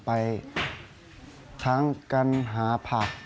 ไปทั้งกันหาผัก